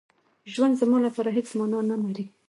ژوند زما لپاره هېڅ مانا نه لري.